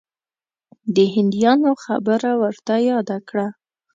د هندیانو خبره ورته یاده کړه.